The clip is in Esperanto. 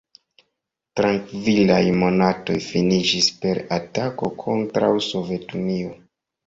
Trankvilaj monatoj finiĝis per atako kontraŭ Sovetunio.